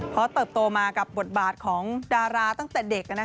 เพราะเติบโตมากับบทบาทของดาราตั้งแต่เด็ก